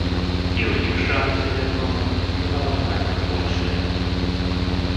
І ў іх шанцы, вядома, непараўнальна большыя.